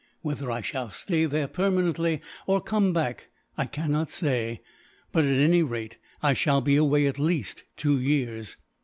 Whether I shall stay there permanently, or come back, I cannot say but, at any rate, I shall be away at least two years."